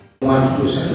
chỗ cắt hết rồi thì